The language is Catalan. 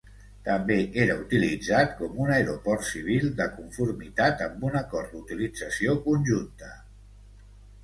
També era utilitzat com un aeroport civil de conformitat amb un acord d"utilització conjunta.